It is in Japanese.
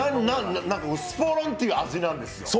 スポロンっていう味なんですよ。